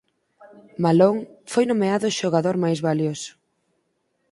Malone foi nomeado xogador máis valioso.